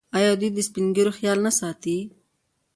آیا دوی د سپین ږیرو خیال نه ساتي؟